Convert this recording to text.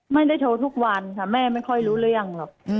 ไม่ได้โทรทุกวันค่ะแม่ไม่ค่อยรู้เรื่องหรอก